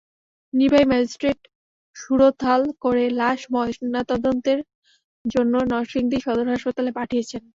নির্বাহী ম্যাজিস্ট্রেট সুরতহাল করে লাশ ময়নাতদন্তের জন্য নরসিংদী সদর হাসপাতালে পাঠিয়েছেন।